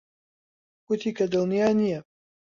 گوتی کە دڵنیا نییە.